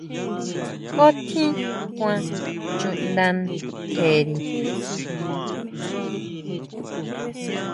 ¿Ju tjín kuan chuʼnda ntjeri?